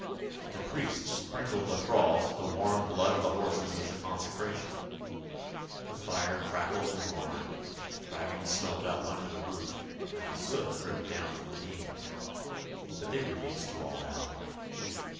The priest sprinkled the thralls with the warm blood of the horses as a consecration. The fire crackled and roared, driving the smoke up under the roof, and the soot dripped down from the beams; but they were used to all that.